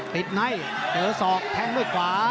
ติดไหนเดอร์ศอก